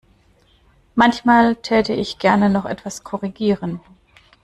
Manchmal täte ich gern noch etwas korrigieren.